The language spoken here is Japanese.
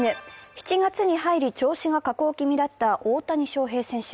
７月に入り調子が下降気味だった大谷翔平選手。